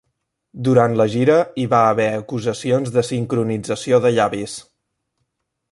Durant la gira, hi va haver acusacions de sincronització de llavis.